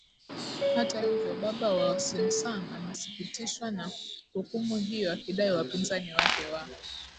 hata hivyo baba wa sinsan amesikitishwa na hukumu hiyo akidai wapinzani wake wa